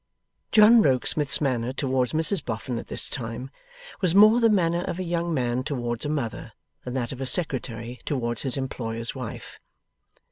John Rokesmith's manner towards Mrs Boffin at this time, was more the manner of a young man towards a mother, than that of a Secretary towards his employer's wife.